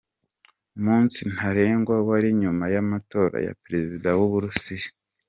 Umunsi ntarengwa wari nyuma y’amatora ya Perezida w’u Burusiya.